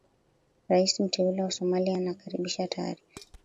Rais mteule wa Somalia anakaribisha taarifa